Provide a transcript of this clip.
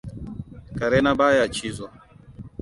Kare na baya cizo.